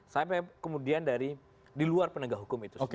sampai kemudian dari di luar penegak hukum itu sendiri